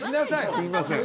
すいません